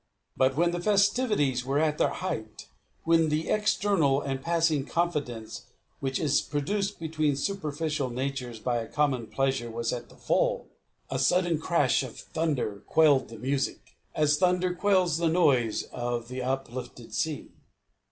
But when the festivities were at their height, when the external and passing confidence which is produced between superficial natures by a common pleasure was at the full, a sudden crash of thunder quelled the music, as the thunder quells the noise of the uplifted sea.